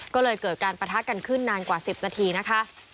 ก็เลยเกิดการปะทะกันขึ้นนานกว่า๑๐นาทีนะคะ